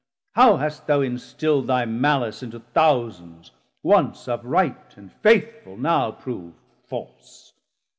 how hast thou instill'd Thy malice into thousands, once upright 270 And faithful, now prov'd false.